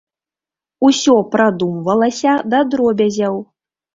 Усё прадумвалася да дробязяў.